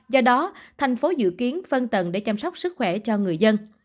do đó thành phố dự kiến phân tầng để chăm sóc sức khỏe cho người dân